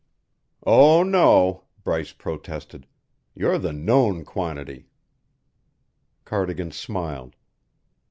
"Oh, no," Bryce protested. "You're the known quantity." Cardigan smiled.